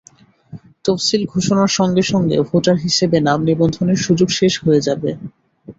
তফসিল ঘোষণার সঙ্গে সঙ্গে ভোটার হিসেবে নাম নিবন্ধনের সুযোগ শেষ হয়ে যাবে।